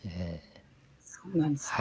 そうなんですか。